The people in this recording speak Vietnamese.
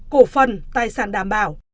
cổ phần tài sản đảm bảo